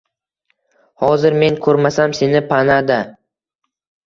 Hozir men ko’rmasam seni panada